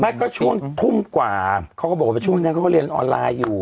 ไม่ก็ช่วงทุ่มกว่าเขาก็บอกว่าช่วงนั้นเขาก็เรียนออนไลน์อยู่